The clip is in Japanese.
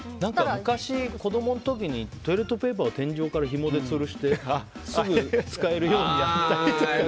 昔、子供の時にトイレットペーパーをひもで天井からつるしてすぐ使えるようにしてましたよ。